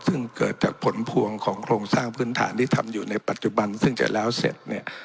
ซึ่งเกิดจากผลพวงของโครงสร้างพื้นฐานที่ทำอยู่ในปัจจุบันซึ่งจะแล้วเสร็จเนี่ย